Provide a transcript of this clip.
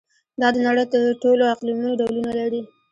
دا د نړۍ د ټولو اقلیمونو ډولونه لري.